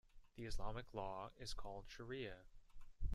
The Islamic law is called shariah.